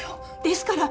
ですから